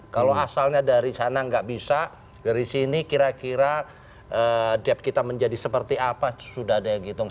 kalau asalnya dari sana nggak bisa dari sini kira kira dep kita menjadi seperti apa sudah ada yang hitung